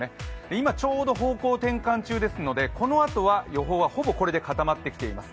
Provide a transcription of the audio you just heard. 今、ちょうど方向転換中ですのでこのあとは予報はほぼこれで固まってきています。